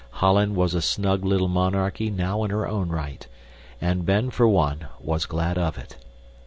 Holland was a snug little monarchy now in her own right, and Ben, for one, was glad of it.